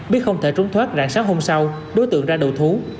biết không thể trốn thoát rạng sáng hôm sau đối tượng ra đầu thú